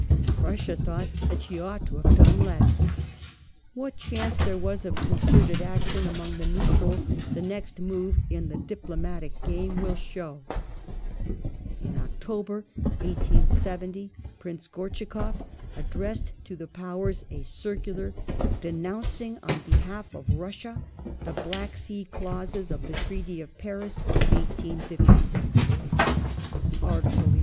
Prussia thought that she ought to have done less. What chance there was of concerted action among the neutrals the next move in the diplomatic game will show. Russia In October, 1870, Prince Gortschakoff addressed to the Powers Bi^ k^s * circular denouncing on behalf of Russia the Black Sea clauses of ^^ the Treaty of Paris (1856). Article XI.